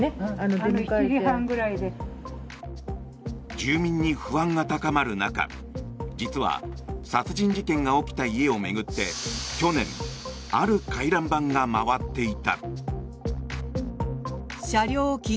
住民に不安が高まる中実は殺人事件が起きた家を巡って去年、ある回覧板が回っていた。